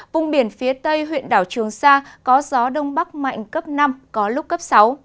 vùng biển phía tây huyện đảo trường sa có gió đông bắc mạnh cấp năm có lúc cấp sáu